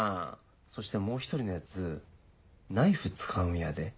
そしてもう一人のヤツナイフ使うんやで。